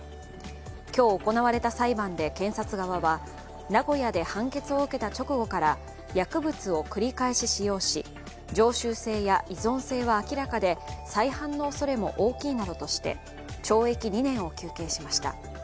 今日、行われた裁判で検察側は名古屋で判決を受けた直後から薬物を繰り返し使用し常習性や依存性は明らかで、再犯のおそれも大きいなどとして懲役２年を求刑しました。